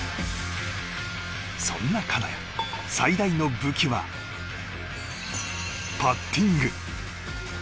そんな金谷、最大の武器はパッティング。